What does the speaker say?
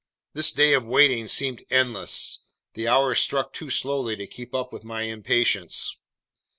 This day of waiting seemed endless. The hours struck too slowly to keep up with my impatience.